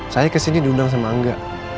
saya kesini diundang sama angga